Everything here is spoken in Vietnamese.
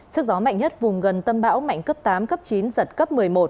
sức gió mạnh nhất vùng gần tâm bão mạnh cấp tám cấp chín giật cấp một mươi một